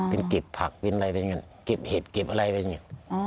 เป็นเก็บผักเป็นอะไรเป็นอย่างนั้นเก็บเห็ดเก็บอะไรเป็นอย่างนี้